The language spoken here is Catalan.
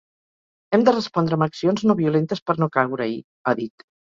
Hem de respondre amb accions no violentes per no caure-hi, ha dit.